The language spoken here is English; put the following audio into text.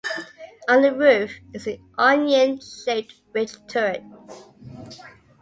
On the roof is an onion shaped ridge turret.